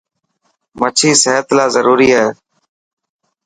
مڇي سحت لاءِ ضروري آهي.